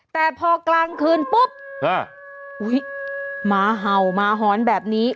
แต่พอกลางคืนปุ๊บหมาเห่าหมาหอนแบบนี้